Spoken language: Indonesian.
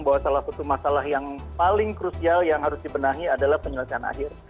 bahwa salah satu masalah yang paling krusial yang harus dibenahi adalah penyelesaian akhir